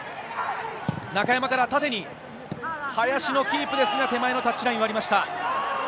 中山から縦に、林のキープですが、手前のタッチライン、割りました。